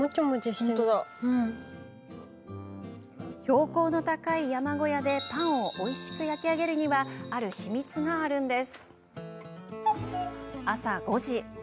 標高の高い山小屋でパンをおいしく焼き上げるにはある秘密があるんです。